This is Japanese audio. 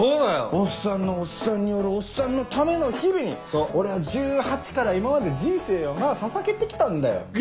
おっさんのおっさんによるおっさんのための日々に俺は１８から今まで人生をなささげて来たんだよ。よっ！